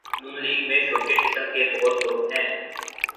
ن لیگ میں شوشے قسم کے بہت لوگ ہیں۔